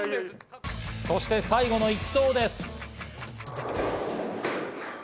そして最後の１投です。